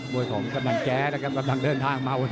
มวยโถ่มกำลังแกะครับกำลังเลินทางมา